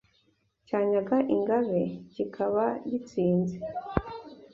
cyanyaga ingabe kikaba gitsinze